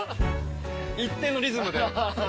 一定のリズムで。